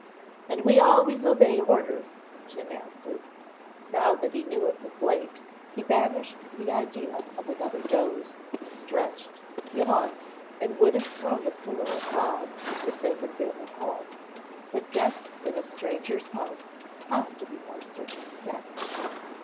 "And we always obey orders," Jim answered. Now that he knew it was late, he banished the idea of another doze, stretched, yawned, and would have thrown a pillow at Bob if they had been at home, but guests in a stranger's house have to be more circumspect.